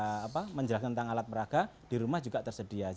tapi kalau di video itu ada menjelaskan tentang alat peraga di rumah juga tersedia